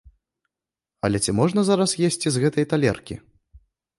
Але ці можна зараз есці з гэтай талеркі?